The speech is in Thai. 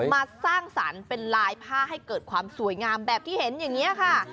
มาสร้างสรรค์เป็นลายผ้าให้เกิดความสวยงามแบบที่เห็นอย่างนี้ค่ะ